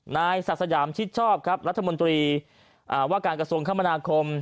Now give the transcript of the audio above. นายศักดิ์สยามชิดชอบครับรัฐมนตรีว่าการกระทรวงคมนาคม